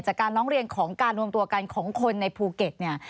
จากการร้องเรียนของการรวมตัวกันของคนในภูเก็ตเนี่ย